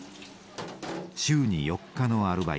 週に４日のアルバイト。